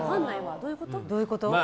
どういうこと？